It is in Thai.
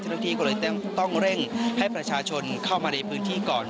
เจ้าหน้าที่ก็เลยต้องเร่งให้ประชาชนเข้ามาในพื้นที่ก่อน